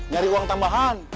nyari uang tambahan